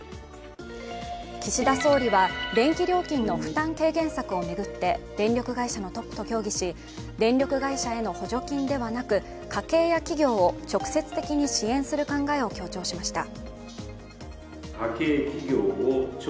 岸田総理は、電気料金の負担軽減策を巡って電力会社のトップを協議し電力会社への補助金ではなく家計や企業を直接的に支援する考えを強調しました。